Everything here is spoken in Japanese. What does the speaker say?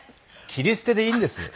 切り捨てでいいんですよ。